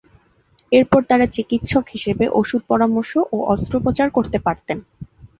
এরপর তারা চিকিৎসক হিসেবে ওষুধ-পরামর্শ এবং অস্ত্রোপচার করতে পারতেন।